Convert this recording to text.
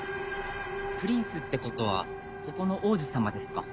プリンスってことはここの王子様ですか？